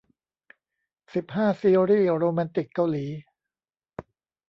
สิบห้า ซีรีส์โรแมนติกเกาหลี